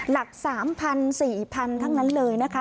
หลัก๓๐๐๔๐๐๐ทั้งนั้นเลยนะคะ